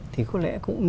thì có lẽ cũng nên